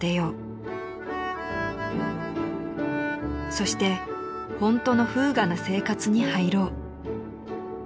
［「そしてほんとの風雅な生活に入ろう」］